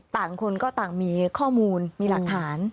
ต่างคนก็ต่างมีข้อมูลมีหลักฐาน